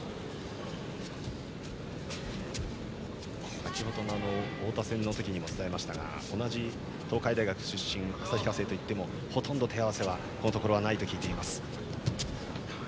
先程の太田戦の時にも伝えましたが同じ東海大学出身旭化成といってもほとんど手合わせはこのところないと聞いています。